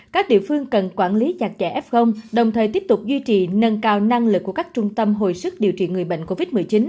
các địa phương cần quản lý chặt chẽ f đồng thời tiếp tục duy trì nâng cao năng lực của các trung tâm hồi sức điều trị người bệnh covid một mươi chín